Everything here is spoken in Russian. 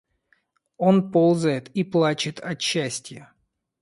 Он ползает и плачет от счастья.